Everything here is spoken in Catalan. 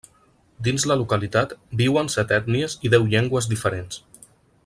Dins la localitat, viuen set ètnies i deu llengües diferents.